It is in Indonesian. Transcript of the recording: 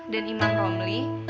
dan imam romli